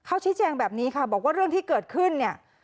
เขาชี้แจงแบบนี้ค่ะบอกว่าเรื่องที่เกิดขึ้นเนี่ย